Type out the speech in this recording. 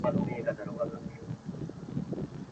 په نخرو په مکیزو سو مخ او شاته.